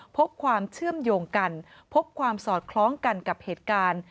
พบความเชื่อมโยงกันพบความสอดคล้องกันกับเหตุการณ์